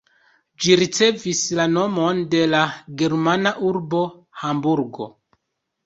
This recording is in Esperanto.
Ĝi ricevis la nomon de la germana urbo Hamburgo.